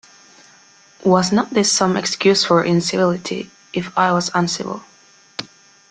Was not this some excuse for incivility, if I was uncivil?